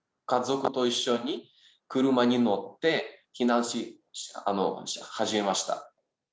家族と一緒に車に乗って避難し始めました。